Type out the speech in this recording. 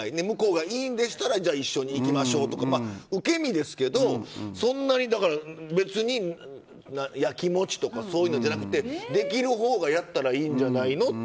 向こうがいいんでしたらじゃあ一緒に行きましょうと受け身ですけど別にやきもちとかそういうのじゃなくてできるほうがやったらいいんじゃないの？